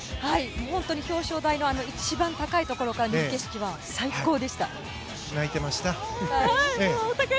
本当に表彰台の一番高いところから見る景色は泣いていました。